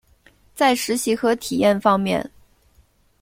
在实习和体验方面